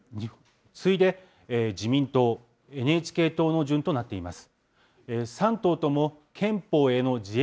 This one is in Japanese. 次いで自民党、ＮＨＫ党の順となっています。